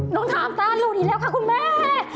ต้องถามตาลูกอีกแล้วค่ะคุณแม่